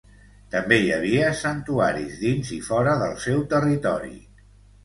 També hi havia santuaris dins i fora del seu territori.